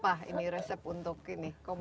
leadershipnya apa ini resep untuk ini komunikasi